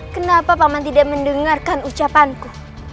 kenapa paman tidak mendengarkan ucapanku